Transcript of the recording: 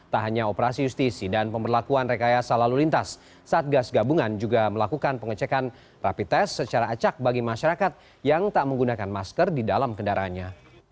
tak hanya operasi justisi dan pemberlakuan rekayasa lalu lintas satgas gabungan juga melakukan pengecekan rapi tes secara acak bagi masyarakat yang tak menggunakan masker di dalam kendaraannya